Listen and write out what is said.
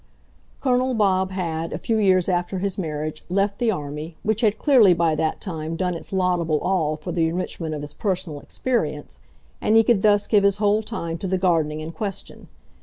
Colonel Bob had, a few years after his marriage, left the army, which had clearly, by that time, done its laudable all for the enrichment of his personal experience, and he could thus give his whole time to the gardening in question.